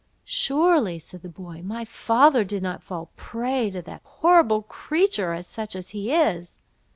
"Surely," said the poor boy, "my father did not fall a prey to that horrible creature, or such as he is!"